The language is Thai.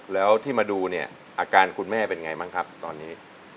แล้วที่มาดูเนี่ยอาการคุณแม่เป็นไงบ้างครับตอนนี้